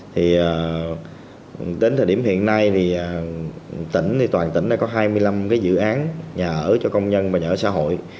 thì đến thời điểm hiện nay thì tỉnh thì toàn tỉnh đã có hai mươi năm cái dự án nhà ở cho công nhân và nhà ở xã hội